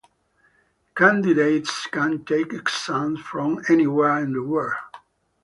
Candidates can take exams from anywhere in the World.